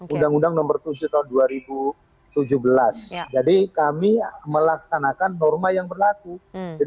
undang undang nomor tujuh tahun dua ribu dua belas